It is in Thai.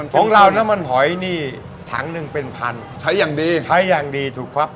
ของเราน้ำมันหอยนี่ถังหนึ่งเป็นพันใช้อย่างดีใช้อย่างดีถูกครับ